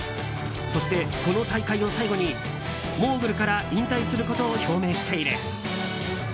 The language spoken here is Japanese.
そしてこの大会を最後にモーグルから引退することを表明している。